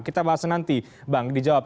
kita bahas nanti bang dijawab